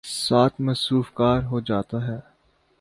ساتھ ''مصروف کار" ہو جاتا ہے۔